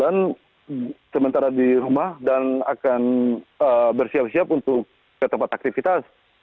sementara di rumah dan akan bersiap siap untuk ke tempat aktivitas